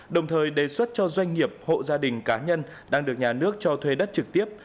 đồng thời đề xuất cho doanh nghiệp hộ gia đình cá nhân đang được nhà nước cho thuê đất trực tiếp